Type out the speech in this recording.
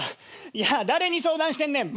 いや誰に相談してんねん。